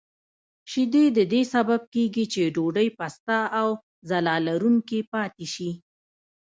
شیدې د دې سبب کېږي چې ډوډۍ پسته او ځلا لرونکې پاتې شي.